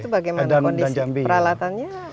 itu bagaimana kondisi peralatannya